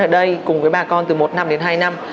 ở đây cùng với bà con từ một năm đến hai năm